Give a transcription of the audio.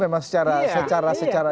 kecil memang secara secara